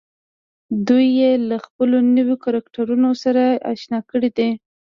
دوی يې له خپلو نويو کرکټرونو سره اشنا کړي دي.